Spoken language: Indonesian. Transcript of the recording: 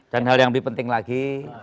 dan hal yang lebih penting lagi